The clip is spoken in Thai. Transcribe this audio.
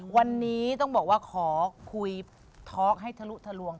วันนี้ต้องบอกว่าขอคุยท็อกให้ทะลุทะลวง